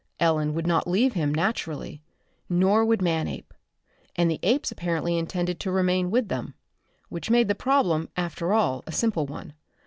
Ellen would not leave him, naturally. Nor would Manape. And the apes apparently intended to remain with them. Which made the problem, after all, a simple one.